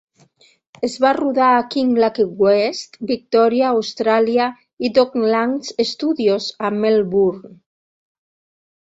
Es va rodar a Kinglake West, Victoria, Austràlia i Docklands Studios a Melbourne.